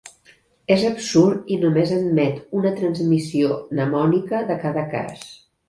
És absurd i només admet una transmissió mnemònica de cada cas.